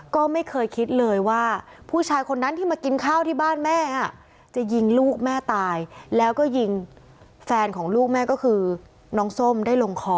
ก็ไม่เคยคิดเลยว่าผู้ชายคนนั้นที่มากินข้าวที่บ้านแม่จะยิงลูกแม่ตายแล้วก็ยิงแฟนของลูกแม่ก็คือน้องส้มได้ลงคอ